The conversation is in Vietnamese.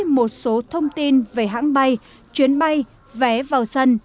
một số thông tin về hãng bay chuyến bay vé vào sân